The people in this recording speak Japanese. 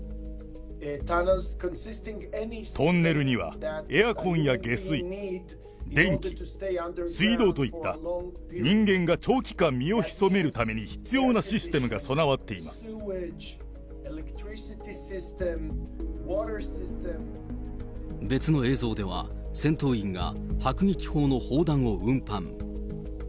トンネルにはエアコンや下水、電気、水道といった人間が長期間身を潜めるために必要なシステムが備わ別の映像では、戦闘員が迫撃砲の砲弾を運搬。